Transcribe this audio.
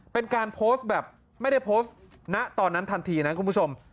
เป็นการโพสต์แบบไม่ได้โพสต์ณตอนนั้นทันทีนะคุณผู้ชม